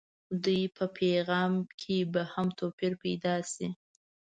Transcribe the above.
دوی په پیغام کې به هم توپير پيدا شي.